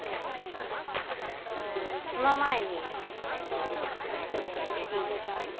あっその前にちょっといいですか？